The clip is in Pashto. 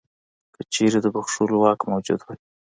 که چیرې د بخښلو واک موجود وای.